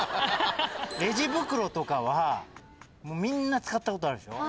レジ袋とかはみんな使ったことあるでしょ。